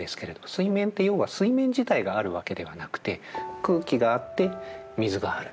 水面って要は水面自体があるわけではなくて空気があって水がある。